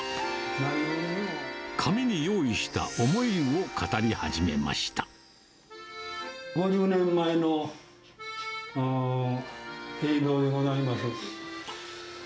紙に用意した思いを語り始め５０年前の映像でございます。